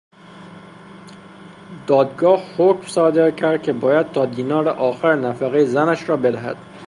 دادگاه حکم صادر کرد که باید تا دینار آخر نفقهی زنش را بدهد.